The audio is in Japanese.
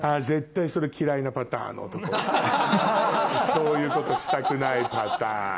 そういうことしたくないパターン。